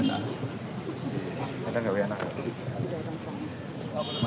ada gak wna